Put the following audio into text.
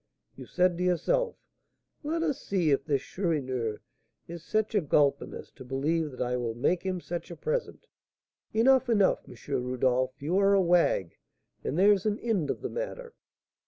You said to yourself,'Let us see if this Chourineur is such a gulpin as to believe that I will make him such a present.' Enough, enough, M. Rodolph; you are a wag, and there's an end of the matter."